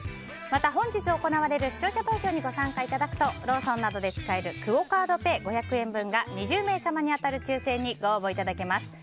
また、本日行われる視聴者投票にご参加いただくとローソンなどで使えるクオ・カードペイ５００円分が２０名様に当たる抽選にご応募いただけます。